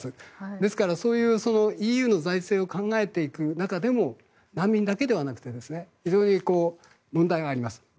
ですから、そういうＥＵの財政を考えていく中でも難民だけではなくて非常に問題があります。